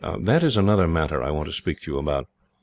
"That is another matter I want to speak to you about.